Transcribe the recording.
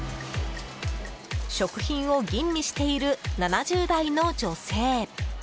食品を吟味している７０代の女性。